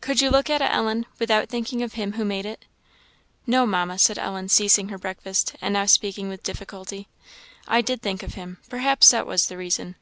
"Could you look at it, Ellen, without thinking of Him who made it?" "No, Mamma," said Ellen, ceasing her breakfast, and now speaking with difficulty; "I did think of Him; perhaps that was the reason."